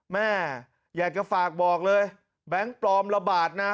แม่อยากจะฝากบอกเลยแบงค์ปลอมระบาดนะ